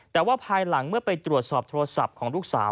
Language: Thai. แต่ว่าภายหลังเมื่อไปตรวจสอบโทรศัพท์ของลูกสาว